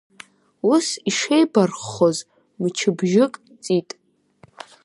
Ус ишеибарххоз мчыбжьык ҵит.